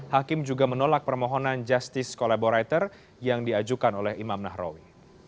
hakim juga menolak permohonan justice collaborator yang diajukan oleh imam nahrawi